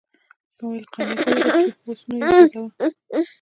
ما ویل قانع ګله بچو اوس یې نو ګزوه.